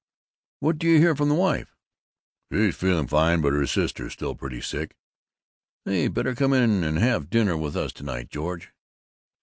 "What do you hear from the wife?" "She's feeling fine, but her sister is still pretty sick." "Say, better come in and have dinner with us to night, George."